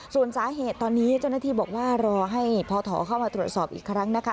ส่วนสาเหตุตอนนี้เจ้าหน้าที่บอกว่ารอให้พอถอเข้ามาตรวจสอบอีกครั้งนะคะ